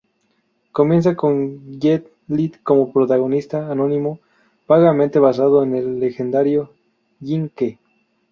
Comienza con Jet Li como protagonista anónimo, vagamente basado en el legendario Jing Ke.